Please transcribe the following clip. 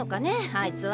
あいつは。